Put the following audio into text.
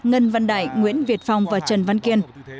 ngân văn đại nguyễn việt phong và trần văn kiên